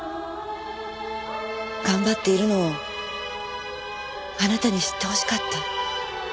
頑張っているのをあなたに知ってほしかった。